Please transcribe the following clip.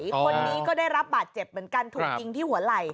คนนี้ก็ได้รับบาดเจ็บเหมือนกันถูกยิงที่หัวไหล่